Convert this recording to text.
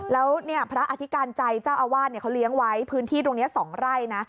แล้วพระอธิการใจเจ้าอาวาสเขาเลี้ยงไว้พื้นที่ตรงนี้๒ไร่นะ